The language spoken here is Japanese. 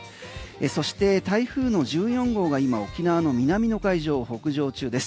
そして台風の１４号が今沖縄の南の海上を北上中です。